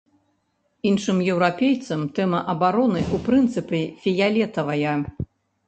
Іншым еўрапейцам тэма абароны, у прынцыпе, фіялетавая.